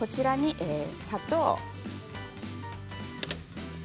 砂糖。